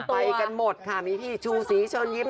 ไปกันหมดค่ะมีพี่ชูศรีเชิญยิ้ม